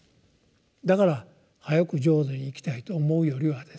だから早く浄土に行きたいと思うよりはですね